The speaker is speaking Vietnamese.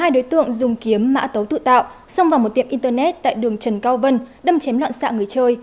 hai đối tượng dùng kiếm mã tấu tự tạo xông vào một tiệm internet tại đường trần cao vân đâm chém loạn xạ người chơi